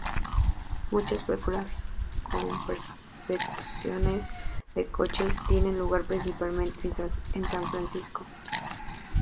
Muchas de películas con persecuciones de coches tienen lugar principalmente en San Francisco.